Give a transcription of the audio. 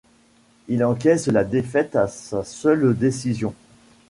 Il encaisse la défaite à sa seule décision.